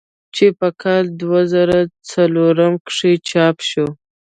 چې پۀ کال دوه زره څلورم کښې چاپ شو ۔